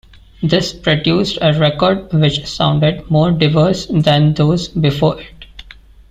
This produced a record which sounded more diverse than those before it.